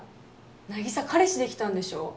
凪沙彼氏できたんでしょ？